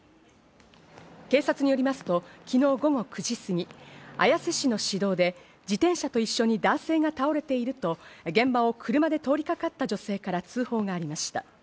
警察によりますと昨日午後９時すぎ、綾瀬市の市道で自転車と一緒に男性が倒れていると現場を車で通りかかった女性から通報がありました。